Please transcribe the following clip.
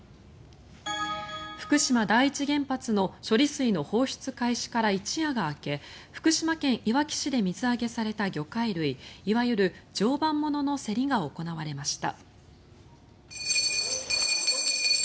福島第一原発の処理水の放出開始から一夜が明け福島県いわき市で水揚げされた魚介類いわゆる常磐ものの競りが行われました。